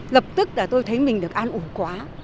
lập tức là tôi thấy mình được an ủ quá